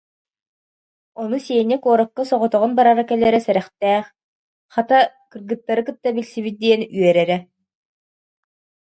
Ону Сеня куоракка соҕотоҕун барара-кэлэрэ сэрэхтээх, хата, кыргыттары кытта билсибит диэн үөрэрэ